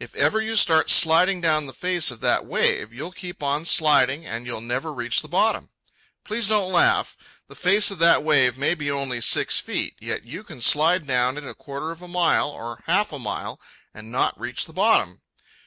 If ever you start sliding down the face of that wave, you'll keep on sliding and you'll never reach the bottom. Please don't laugh. The face of that wave may be only six feet, yet you can slide down it a quarter of a mile, or half a mile, and not reach the bottom.